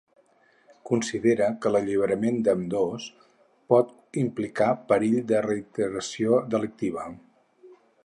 Considera que l’alliberament d’ambdós pot implicar perill de reiteració delictiva.